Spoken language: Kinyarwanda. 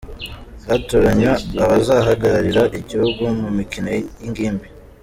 Haratoranywa abazahagararira igihugu mu mikino y’ingimbi